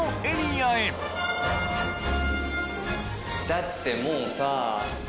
だってもうさ。